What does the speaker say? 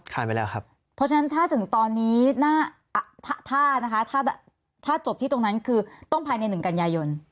ค้านไปแล้วครับเพราะฉะนั้นถ้าถึงตอนนี้ถ้าจบที่ตรงนั้นคือต้องภายในหนึ่งกัญญาโยน